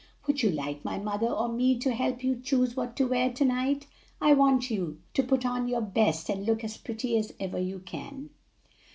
"Would you like my mother or me to help you choose what to wear to night? I want you to put on your best and look as pretty as ever you can."